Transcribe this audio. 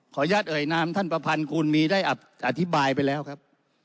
อนุญาตเอ่ยนามท่านประพันธ์กูลมีได้อธิบายไปแล้วครับ